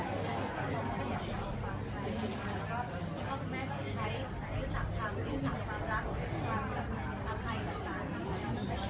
จริงเราอาจจะโดนขามากแล้วนะครับเนี่ยแต่ว่าก็อาจจะไม่ได้แบบนี้ขนาดนี้